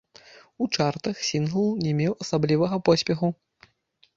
У чартах сінгл не меў асаблівага поспеху.